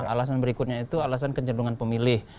alasan berikutnya itu alasan kencenderungan pemilih